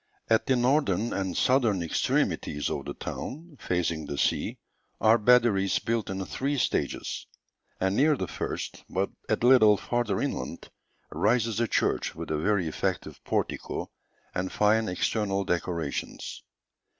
"At the northern and southern extremities of the town, facing the sea, are batteries built in three stages; and near the first, but a little further inland, rises a church with a very effective portico and fine external decorations.